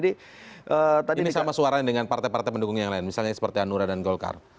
ini sama suaranya dengan partai partai pendukung yang lain misalnya seperti hanura dan golkar